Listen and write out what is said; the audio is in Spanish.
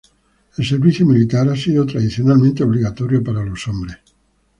El servicio militar ha sido tradicionalmente obligatorio para los hombres.